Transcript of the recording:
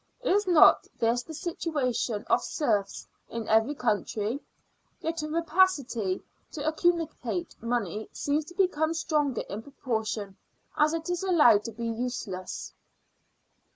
Is not this the situation of serfs in every country. Yet a rapacity to accumulate money seems to become stronger in proportion as it is allowed to be useless.